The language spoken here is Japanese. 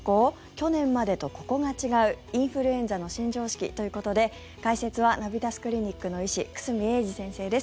去年までとここが違うインフルエンザの新常識ということで解説はナビタスクリニックの医師久住英二先生です。